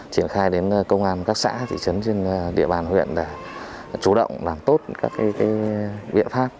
triển khai đến công an các xã thị trấn trên địa bàn huyện để chủ động làm tốt các biện pháp